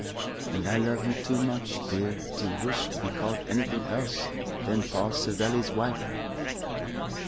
"And I love you too much, dear, to wish to be called anything else than Paul Savelli's wife."